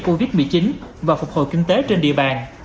covid một mươi chín và phục hồi kinh tế trên địa bàn